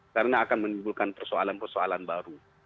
karena akan menimbulkan persoalan persoalan baru